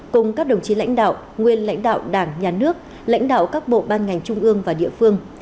cùng các đồng chí lãnh đạo nguyên lãnh đạo đảng nhà nước lãnh đạo các bộ ban ngành trung ương và địa phương